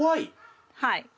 はい。